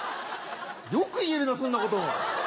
よく言えるなそんなこと。